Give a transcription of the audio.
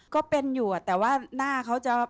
ก็เป็นอยู่แต่ว่าหน้าเขาจะ